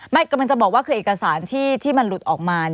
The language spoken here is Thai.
กำลังจะบอกว่าคือเอกสารที่มันหลุดออกมา